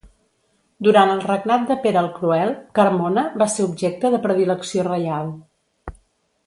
Durant el regnat de Pere el Cruel, Carmona va ser objecte de predilecció reial.